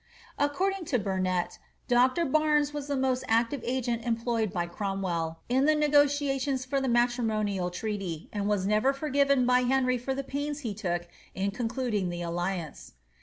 According to Burnet, Dr. Barnes was the most active agent employed bv Cromwell, in the negotiations for the matrimonial treaty, and was never forgiven by Henry for the pains he took in concluding the alli« loce.